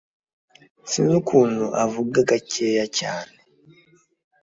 Sinzi ukuntu avuga gakeya cyane